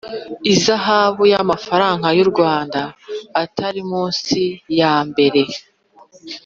ihazabu y amafaranga y u Rwanda atari munsi yambere